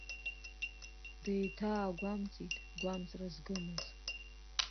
Деиҭаагәамҵит гәамҵра згымыз.